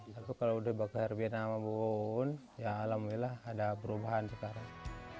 tapi kalau dibawa ke herbina sama bu uun ya alhamdulillah ada perubahan sekarang